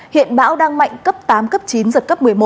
hiện bão đang mạnh cấp tám cấp chín giật cấp một mươi một